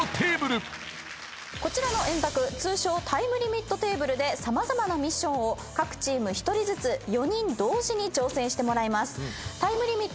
こちらの円卓通称タイムリミットテーブルで様々なミッションを各チーム１人ずつ４人同時に挑戦してもらいます。